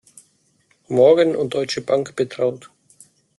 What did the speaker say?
Morgan und Deutsche Bank betraut.